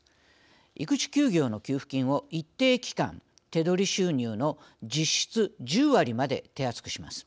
育児休業の給付金を一定期間手取り収入の実質１０割まで手厚くします。